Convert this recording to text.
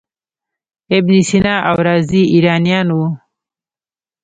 ابن سینا او رازي ایرانیان وو.